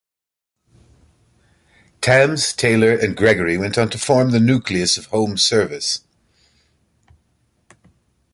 Tams, Taylor and Gregory went on to form the nucleus of Home Service.